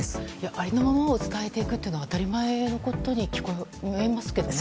ありのままを伝えていくのは当たり前のことに聞こえますけどね。